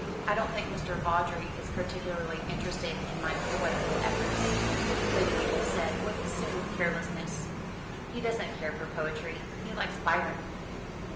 "I don't think Mr. Vawdrey is particularly interested in my poetical efforts," Lady Mabel said with assumed carelessness. "He doesn't care for poetry. He likes Byron."